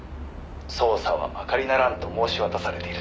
「捜査はまかりならんと申し渡されているとか」